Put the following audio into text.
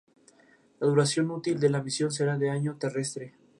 Se encuentra en la cuenca del río Amur, Sajalín y Mongolia.